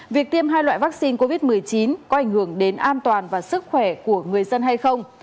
việc tiêm hai loại vaccine covid một mươi chín có ảnh hưởng đến an toàn và sức khỏe của người dân hay không